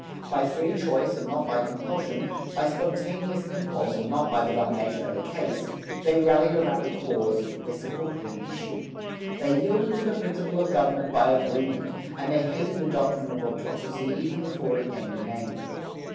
By free choice and not by compulsion, by spontaneous impulse, and not by the domination of a caste, they rallied around a cause, they supported an issue. They yielded to the principle of government by agreement, and they hated the doctrine of autocracy even before it gained a name.